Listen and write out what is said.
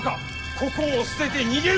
ここを捨てて逃げるか。